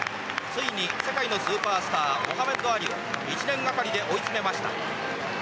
ついに世界のスーパースターモハメド・アリを１年がかりで追い詰めました。